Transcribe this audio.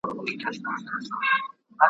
پاچهي لکه حباب نه وېشل کیږي